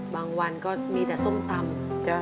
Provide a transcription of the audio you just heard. วันก็มีแต่ส้มตำ